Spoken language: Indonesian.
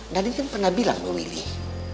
nadine kan pernah bilang dong willy